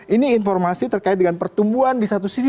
ini informasi terkait dengan pertumbuhan di satu sisi